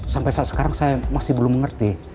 sampai saat sekarang saya masih belum mengerti